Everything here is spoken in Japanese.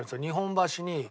日本橋に。